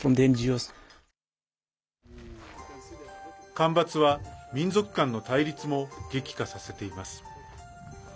干ばつは民族間の対立も激化させています。